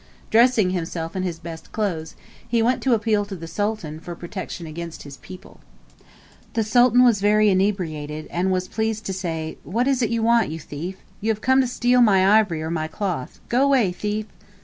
Dressing himself in his best clothes, he went to appeal to the Sultan for protection against his people. The Sultan was very much inebriated, and was pleased to say, "What is it you want, you thief? You have come to steal my ivory or my cloth. Go away, thief!"